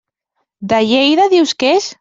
De Lleida dius que és?